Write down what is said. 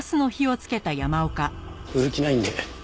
売る気ないんで。